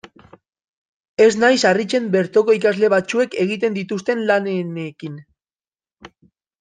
Ez naiz harritzen bertoko ikasle batzuek egiten dituzten lanenekin.